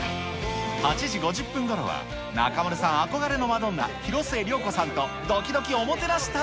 ８時５０分ごろは、中丸さん憧れのマドンナ、広末涼子さんとどきどきおもてなし旅。